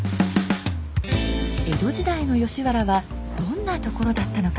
江戸時代の吉原はどんなところだったのか。